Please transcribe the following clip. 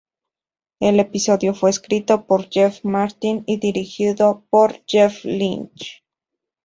El episodio fue escrito por Jeff Martin y dirigido por Jeffrey Lynch.